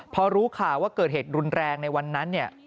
พอรู้ข่าวว่าเกิดเหตุรุนแรงในวันนั้นเนี่ย